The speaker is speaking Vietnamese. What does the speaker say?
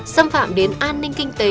xâm phạm đến an ninh kinh tế